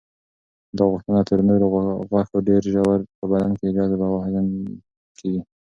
دا غوښه تر نورو غوښو ډېر ژر په بدن کې جذب او هضم کیږي.